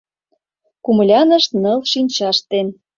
Кумылянышт ныл шинчашт ден